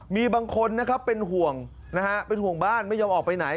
มีบางคนนะครับเป็นห่วงนะฮะเป็นห่วงบ้านไม่ยอมออกไปไหน